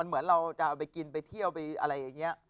อ้ะแต่เมื่อเราจะไปกินไปเที่ยวไปอะไรอย่างนี้